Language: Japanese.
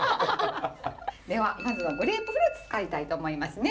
ではまずはグレープフルーツ使いたいと思いますね。